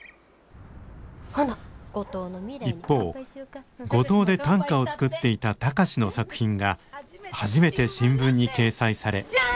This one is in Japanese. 一方五島で短歌を作っていた貴司の作品が初めて新聞に掲載され。